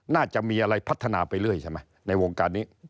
น่าจะมีอะไรพัฒนาไปเรื่อยใช่ไหมในวงการนี้